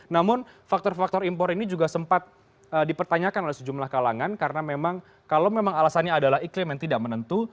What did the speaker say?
namun faktor faktor impor ini juga sempat dipertanyakan oleh sejumlah kalangan karena memang kalau memang alasannya adalah iklim yang tidak menentu